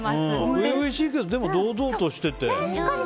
初々しいけどでも、堂々としてて。